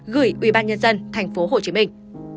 gửi ubnd thành phố hồ chí minh